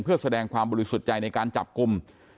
เพื่อแสดงความบริสุทธิ์ใจในการจับกลุ่ม